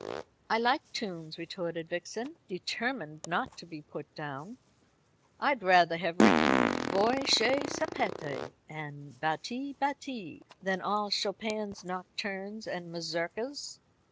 "I like tunes," retorted Vixen, determined not to be put down. "I'd rather have written 'Voi che sapete,' and 'Batti, batti,' than all Chopin's nocturnes and mazurkas."